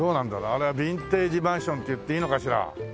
あれはビンテージマンションって言っていいのかしら。